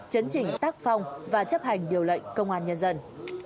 chấn chỉnh tác phong và chấp hành điều lệnh công an nhân dân